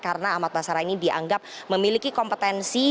karena ahmad basarah ini dianggap memiliki kompetensi